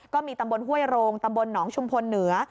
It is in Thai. ก็มีตำบลห้วยโรงตำบลหนองชุมพลเหนือ